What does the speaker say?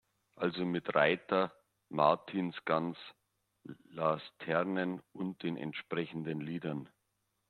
Also mit Reiter, Martinsgans, Laternen und den entsprechenden Liedern.